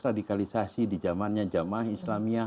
radikalisasi di zamannya jamaah islamiyah